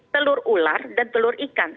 telur ular dan telur ikan